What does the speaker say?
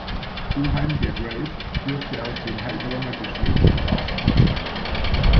Oheim der Grave dürfte aus dem Heilbronner Geschlecht Graf abstammen.